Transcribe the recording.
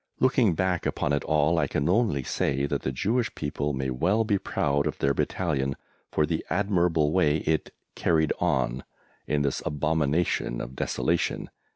Looking back upon it all I can only say that the Jewish people may well be proud of their Battalion for the admirable way it "carried on" in this abomination of desolation.